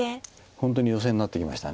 本当にヨセになってきました。